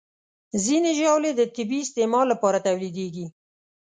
ځینې ژاولې د طبي استعمال لپاره تولیدېږي.